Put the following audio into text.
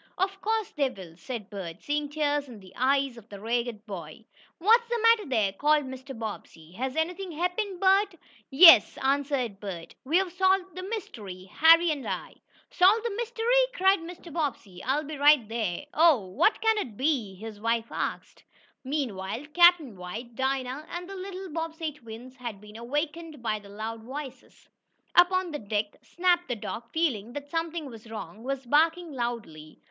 "Of course they will," said Bert, seeing tears in the eyes of the ragged boy. "What's the matter there?" called Mr. Bobbsey. "Has anything happened, Bert?" "Yes," answered Bert. "We've solved the mystery Harry and I." "Solved the mystery!" cried Mr. Bobbsey. "I'll be right there." "Oh, what can it be?" his wife asked. Meanwhile, Captain White, Dinah and the little Bobbsey twins had been awakened by the loud voices. Up on deck Snap, the dog, feeling that something was wrong, was barking loudly.